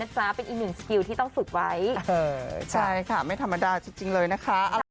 ใช่ค่ะไม่ธรรมดาจริงเลยนะคะ